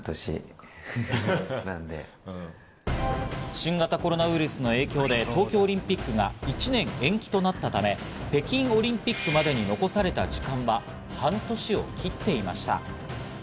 新型コロナウイルスの影響で東京オリンピックが１年延期となったため、北京オリンピックまでに残された時間は半年を切っていました。